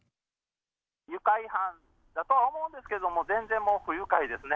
愉快犯だとは思うんですけども、全然もう不愉快ですね。